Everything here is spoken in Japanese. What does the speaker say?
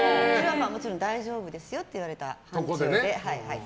もちろん大丈夫ですよって言われたところで。